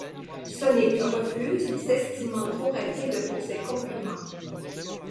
Sonic refuse, s'estimant trop rapide pour ses concurrents.